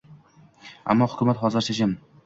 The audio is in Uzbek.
Ammo hukumat hozircha jim